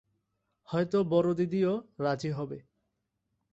হয়তো বড়দিদিও রাজি হবে।